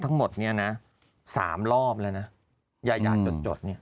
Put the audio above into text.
ทั้งหมดเนี่ยนะ๓รอบแล้วนะยายาจดเนี่ย